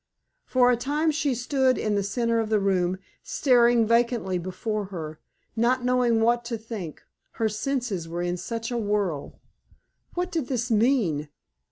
For a time she stood in the center of the room, staring vacantly before her, not knowing what to think, her senses were in such a whirl. What did this mean?